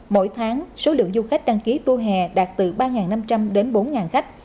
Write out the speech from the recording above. mỗi tháng số lượng du khách đăng ký tour hè đạt từ ba năm trăm linh đến bốn khách